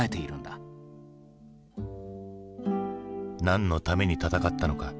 何のために戦ったのか。